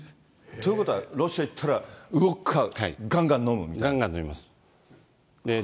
ということは、ロシア行ったらウォッカ、がんがん飲むみたいがんがん飲みます。